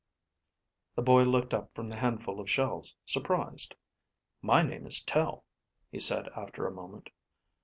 The boy looked up from the handful of shells, surprised. "My name is Tel," he said after a moment.